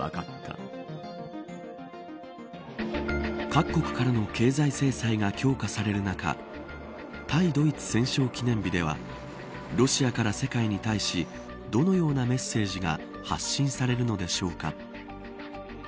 各国からの経済制裁が強化される中対ドイツ戦勝記念日ではロシアから世界に対しどのようなメッセージが発信されるのでしょうか。